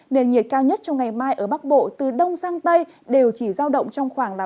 nền nhiệt cao nhất trong ngày mai ở bắc bộ từ đông sang tây đều chỉ giao động trong khoảng ba mươi một ba mươi hai độ